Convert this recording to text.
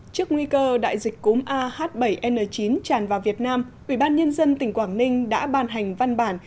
trước nguy cơ đại dịch cúm ah bảy n chín tràn vào việt nam ubnd tỉnh quảng ninh đã ban hành văn bản